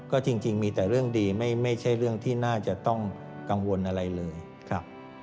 ก็จริงมีแต่เรื่องดีไม่ใช่เรื่องที่น่าจะต้องกังวลอะไรเลยครับ